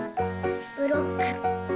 ブロック。